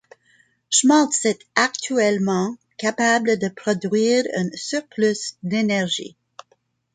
Schmalz est actuellement capable de produire un surplus d'énergie.